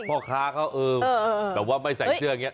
พ่อค้าเขาเออแบบว่าไม่ใส่เสื้ออย่างนี้